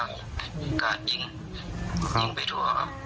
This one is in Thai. โอกาสยิงยิงไปทั่วครับ